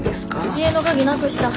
家の鍵なくした。